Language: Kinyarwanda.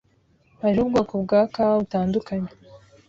Hariho ubwoko bwa kawa butandukanye.